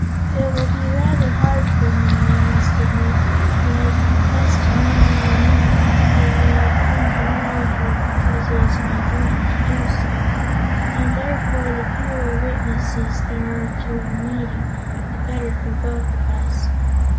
It will be rather hard for me, you must admit, when I confess to Nimmie Amee that I have come to marry her because it is my duty to do so, and therefore the fewer witnesses there are to our meeting the better for both of us.